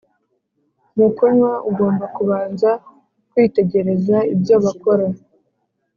mu kunywa.ugomba kubanza kwitegereza ibyo bakora.